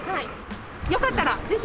よかったらぜひ。